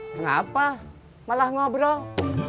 kenapa malah ngobrol